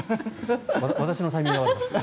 私のタイミングが悪かった。